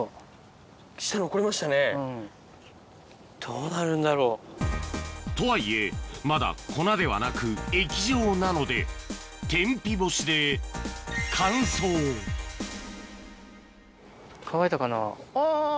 どうなるんだろう？とはいえまだ粉ではなく液状なので天日干しであぁ！